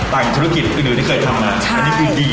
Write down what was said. ทันที